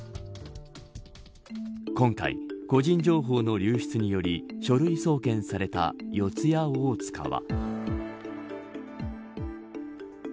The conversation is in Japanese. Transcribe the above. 今回、個人情報の流出により書類送検された四谷大塚は。